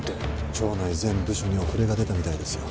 庁内全部署にお触れが出たみたいですよ。